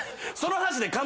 その話で。